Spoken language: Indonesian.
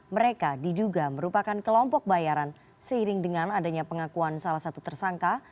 mereka diduga merupakan kelompok bayaran seiring dengan adanya pengakuan salah satu tersangka